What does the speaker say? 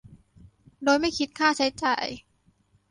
โดยไม่คิดค่าใช้จ่าย